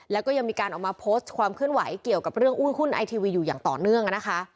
แล้วก็ยังมีการออกมาโพสต์ความเคลื่อนไหวเกี่ยวกับเรื่องอู้หุ้นไอทีวีอยู่อย่างต่อเนื่องนะคะ